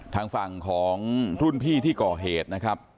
ทางฝั่งของรุ่นพี่ที่ก่อเหตุนะครับ